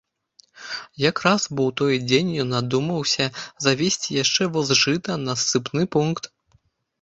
Якраз бо ў той дзень ён надумаўся завезці яшчэ воз жыта на ссыпны пункт.